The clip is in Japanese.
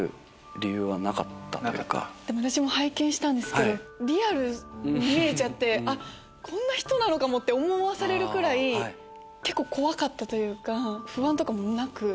私も拝見したんですけどリアルに見えちゃってこんな人なのかもって思わされるくらい結構怖かったというか。